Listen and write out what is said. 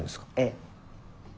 ええ。